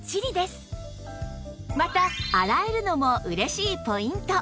また洗えるのも嬉しいポイント